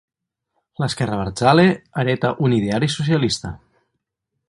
L'esquerra abertzale hereta un ideari socialista.